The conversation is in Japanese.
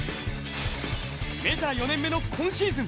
メジャー４年目の今シーズン